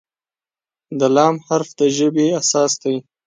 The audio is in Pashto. د "ل" حرف د ژبې اساس دی.